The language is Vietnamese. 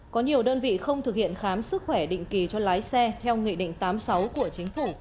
có nhiều đơn vị không thực hiện khám sức khỏe định kỳ cho lái xe theo nghị định tám mươi sáu của chính phủ